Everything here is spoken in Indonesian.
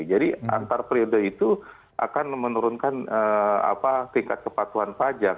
jadi antar periode itu akan menurunkan tingkat kepatuhan pajak